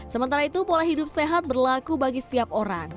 sementara itu pola hidup sehat berlaku bagi setiap orang